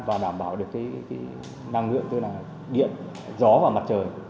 và đảm bảo được năng lượng gió và mặt trời